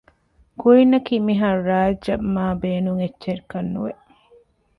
ކްއީންއަކީ މިހާރު ރާޖްއަށް މާބޭނުން އެއްޗަކަށް ނުވެ